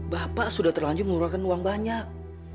bapak sudah terlanjur mengeluarkan uang banyak